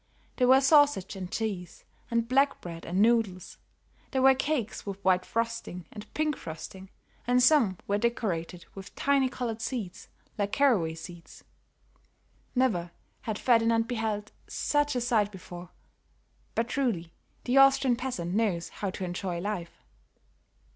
There were sausage and cheese and black bread and noodles; there were cakes with white frosting and pink frosting, and some were decorated with tiny colored seeds like caraway seeds. Never had Ferdinand beheld such a sight before; but truly the Austrian peasant knows how to enjoy life.